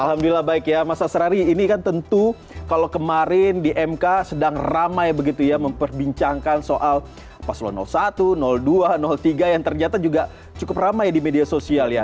alhamdulillah baik ya mas asrari ini kan tentu kalau kemarin di mk sedang ramai begitu ya memperbincangkan soal paslo satu dua tiga yang ternyata juga cukup ramai di media sosial ya